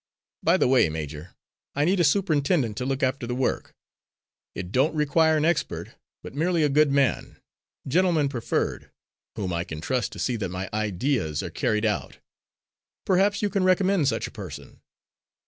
By the way, major, I need a superintendent to look after the work. It don't require an expert, but merely a good man gentleman preferred whom I can trust to see that my ideas are carried out. Perhaps you can recommend such a person?"